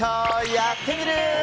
やってみる。